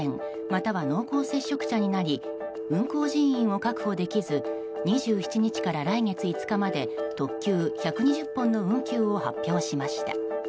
または濃厚接触者になり運行人員を確保できず２７日から来月５日まで特急１２０本の運休を発表しました。